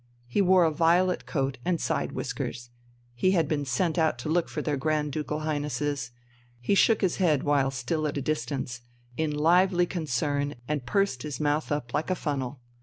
He wore a violet coat and side whiskers. He had been sent out to look for their Grand Ducal Highnesses. He shook his head while still at a distance, in lively concern, and pursed his mouth up like a funnel.